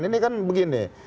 ini kan begini